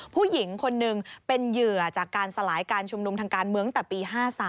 ผู้หญิงคนหนึ่งเป็นเหยื่อจากการสลายการชุมนุมทางการเมืองแต่ปี๕๓